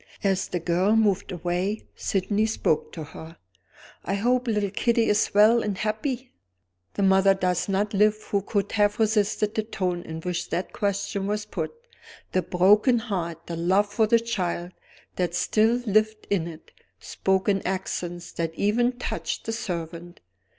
As the girl moved away, Sydney spoke to her. "I hope little Kitty is well and happy?" The mother does not live who could have resisted the tone in which that question was put. The broken heart, the love for the child that still lived in it, spoke in accents that even touched the servant.